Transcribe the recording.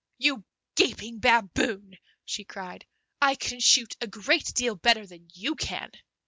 "You gaping baboon," she cried, "I can shoot a great deal better than you can!"